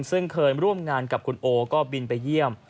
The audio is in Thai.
ซึ่งเคยร่วมงานกับคุณโอก็บินไปเยี่ยม